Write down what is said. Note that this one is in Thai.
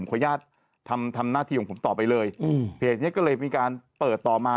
ขออนุญาตทำทำหน้าที่ของผมต่อไปเลยอืมเพจนี้ก็เลยมีการเปิดต่อมา